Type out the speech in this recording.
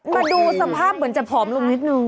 มาดูสภาพเหมือนจะผอมลงนิดนึง